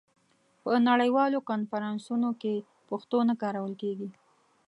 په نړیوالو کنفرانسونو کې پښتو نه کارول کېږي.